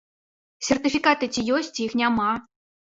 Сертыфікаты ці ёсць, ці іх няма!